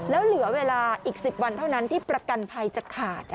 แล้วเหลือเวลาอีก๑๐วันเท่านั้นที่ประกันภัยจะขาด